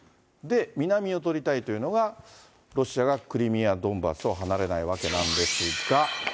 で、南を取りたいというのが、ロシアがクリミア、ドンバスを離れないわけなんですが。